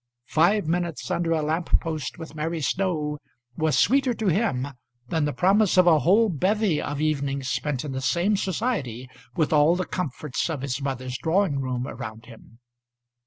Five minutes under a lamp post with Mary Snow was sweeter to him than the promise of a whole bevy of evenings spent in the same society, with all the comforts of his mother's drawing room around him.